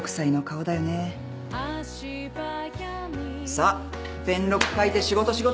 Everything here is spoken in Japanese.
さあ弁録書いて仕事仕事。